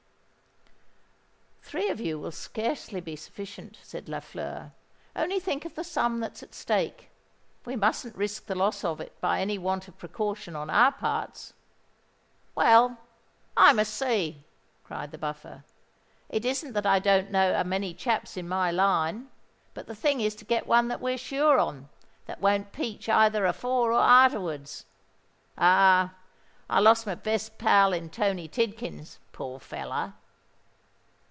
"Three of you will scarcely be sufficient," said Lafleur. "Only think of the sum that's at stake: we mustn't risk the loss of it by any want of precaution on our parts." "Well—I must see," cried the Buffer. "It isn't that I don't know a many chaps in my line; but the thing is to get one that we're sure on—that won't peach either afore or arterwards. Ah! I lost my best pal in Tony Tidkins—poor feller!"